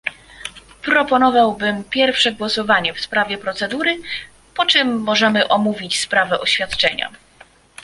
Proponowałbym pierwsze głosowanie w sprawie procedury, po czym możemy omówić sprawę oświadczenia